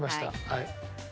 はい。